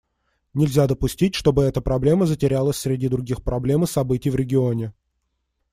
Нельзя допустить, чтобы эта проблема затерялась среди других проблем и событий в регионе.